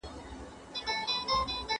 فردي چلند څوک مطالعه کوي؟